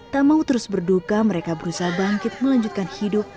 tak mau terus berduka mereka berusaha bangkit melanjutkan hidup